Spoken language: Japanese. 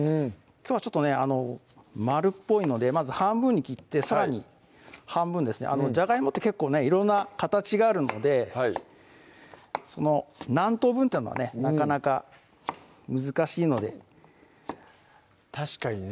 きょうはちょっとね丸っぽいのでまず半分に切ってさらに半分ですねじゃがいもって結構ね色んな形があるので何等分っていうのはねなかなか難しいので確かにね